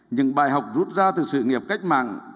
những bài học rút ra từ sự nghiệp cách mạng